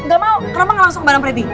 gak mau kenapa gak langsung ke barang pretty